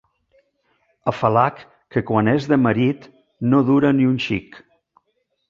Afalac que quan és de marit no dura ni un xic.